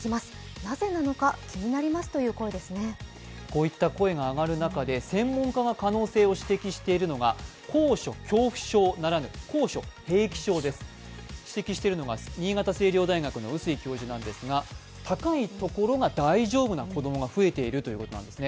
こういった声が上がる中で専門家が可能性を指摘しているのが高所恐怖症ならぬ、高所平気症です指摘しているのが新潟青陵大学の碓井教授なんですが、高い所が大丈夫な子供が増えているそうです。